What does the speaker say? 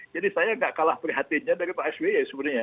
jadi saya gak kalah prihatinnya dari pak sd ya sebenarnya